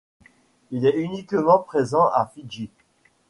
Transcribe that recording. Il est uniquement présent à Fidji.